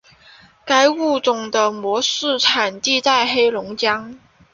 该物种的模式产地在黑龙江。